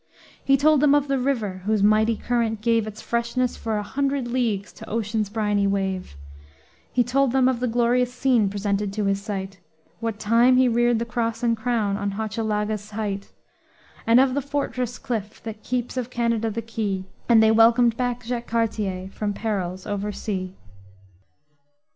He told them of the river, whose mighty current gave Its freshness for a hundred leagues to ocean's briny wave; He told them of the glorious scene presented to his sight, What time he reared the cross and crown on Hochelaga's height; And of the fortress cliff, that keeps of Canada the key; And they welcomed back Jacques Cartier from perils over sea.